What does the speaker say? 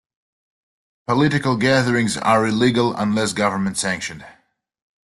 Political gatherings are illegal unless government sanctioned.